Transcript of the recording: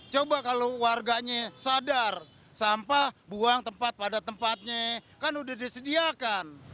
coba kalau warganya sadar sampah buang tempat pada tempatnya kan udah disediakan